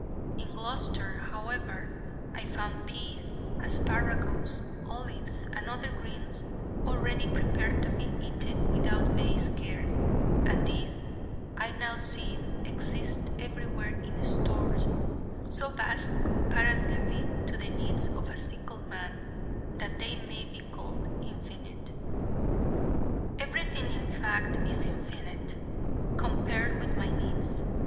In Gloucester, however, I found peas, asparagus, olives, and other greens, already prepared to be eaten without base cares: and these, I now see, exist everywhere in stores so vast comparatively to the needs of a single man, that they may be called infinite. Everything, in fact, is infinite compared with my needs.